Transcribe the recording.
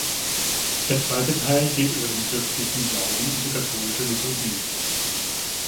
Der zweite Teil geht über den christlichen Glauben und die katholische Liturgie.